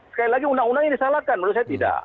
sekali lagi undang undang ini disalahkan menurut saya tidak